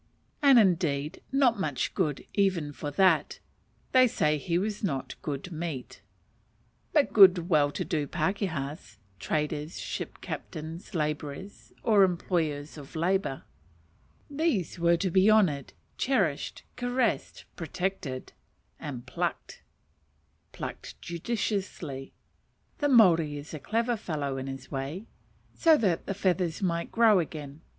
And, indeed, not much good even for that they say he was not good meat. But good well to do pakehas, traders, ship captains, labourers, or employers of labour, these were to be honoured, cherished, caressed, protected and plucked: plucked judiciously (the Maori is a clever fellow in his way), so that the feathers might grow again.